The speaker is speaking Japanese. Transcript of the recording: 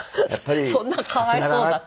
そんな可哀想だった？